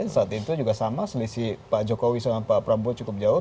saat itu juga sama selisih pak jokowi sama pak prabowo cukup jauh